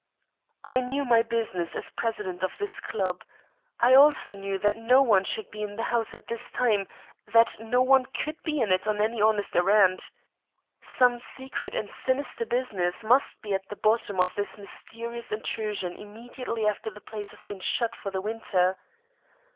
I knew my business as president of this club. I also knew that no one should be in the house at this time that no one could be in it on any honest errand. Some secret and sinister business must be at the bottom of this mysterious intrusion immediately after the place had been shut for the winter.